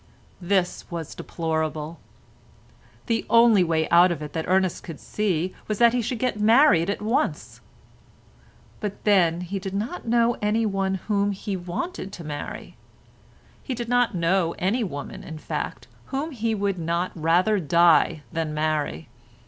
This was deplorable. The only way out of it that Ernest could see was that he should get married at once. But then he did not know any one whom he wanted to marry. He did not know any woman, in fact, whom he would not rather die than marry.